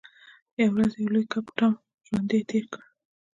یوه ورځ یو لوی کب ټام ژوندی تیر کړ.